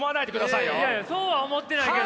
いやいやそうは思ってないけど。